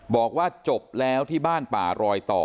บอกว่าจบแล้วที่บ้านป่ารอยต่อ